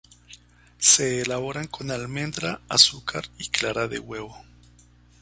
Se elaboran con almendra, azúcar y clara de huevo.